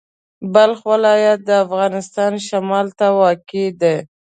بلخ ولایت د افغانستان شمال ته واقع دی.